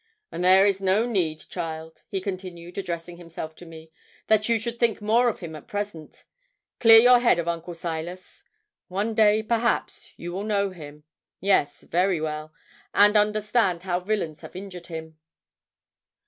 'And there is no need, child,' he continued, addressing himself to me, 'that you should think more of him at present. Clear your head of Uncle Silas. One day, perhaps, you will know him yes, very well and understand how villains have injured him.